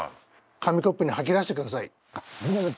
紙コップにはき出してください。